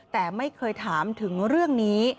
แต่ไม่เคยถามถึงเรื่องนี้